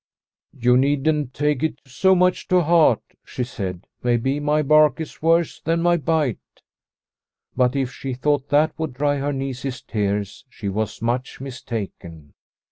" You needn't take it so much to heart," she said ;" maybe my bark is worse than my bite." But if she thought that would dry her niece's tears, she was much mistaken.